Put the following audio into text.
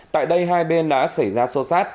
tại đây hai bên đã xảy ra sâu sát